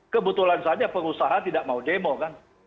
kebetulan saja pengusaha tidak mau demo kan